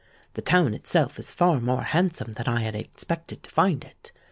The town itself is far more handsome than I had expected to find it.